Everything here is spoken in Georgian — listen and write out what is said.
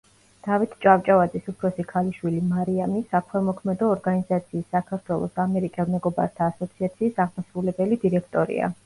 დავით ჭავჭავაძის უფროსი ქალიშვილი მარიამი საქველმოქმედო ორგანიზაციის „საქართველოს ამერიკელ მეგობართა ასოციაციის“ აღმასრულებელი დირექტორია.